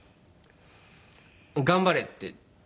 「頑張れ」って。